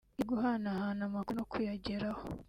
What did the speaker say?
yo guhanahana amakuru no kuyageraho